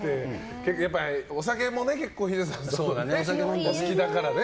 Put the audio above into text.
お酒も結構ヒデさんはね、お好きだからね。